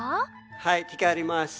はいひかります。